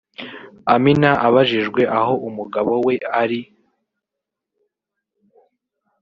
Amina abajijwe aho umugabo we ari